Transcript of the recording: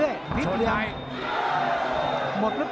แล้วทีมงานน่าสื่อ